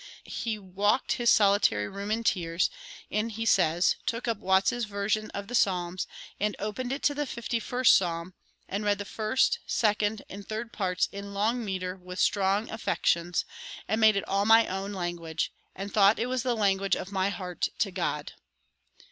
He walked his solitary room in tears, and (he says) "took up Watts's version of the Psalms, and opened it at the Fifty first Psalm, and read the first, second, and third parts in long meter with strong affections, and made it all my own language, and thought it was the language of my heart to God."